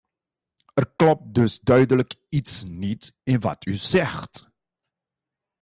Er klopt dus duidelijk iets niet in wat u zegt.